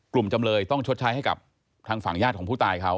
จำเลยต้องชดใช้ให้กับทางฝั่งญาติของผู้ตายเขา